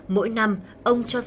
mỗi năm ông cho ra đời